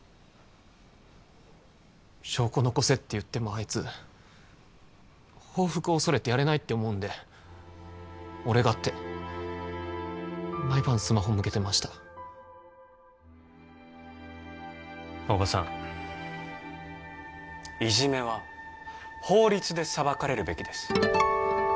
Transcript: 証拠残せって言ってもあいつ報復を恐れてやれないって思うんで俺がって毎晩スマホ向けてました大庭さんいじめは法律で裁かれるべきです